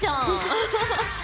アハハッ。